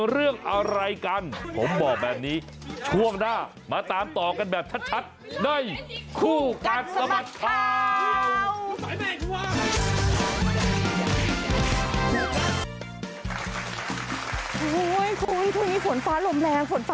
เรื่องต่อไปนะครับไปดูคลิปนี้กันก่อนเลยฮะ